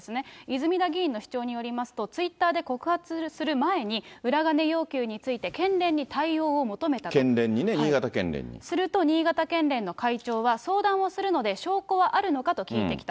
泉田議員の主張によりますと、ツイッターで告発する前に、すると、新潟県連の会長は、相談をするので証拠はあるのかと聞いてきた。